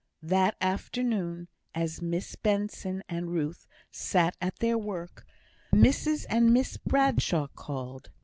That afternoon, as Miss Benson and Ruth sat at their work, Mrs and Miss Bradshaw called.